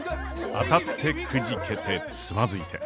当たってくじけてつまずいて。